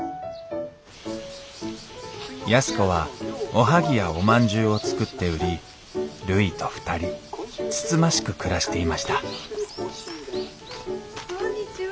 安子はおはぎやおまんじゅうを作って売りるいと２人つつましく暮らしていましたこんにちは。